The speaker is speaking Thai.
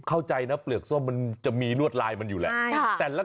เข้าใจนะเปลือกส้มมันจะมีลวดลายมันอยู่แหละ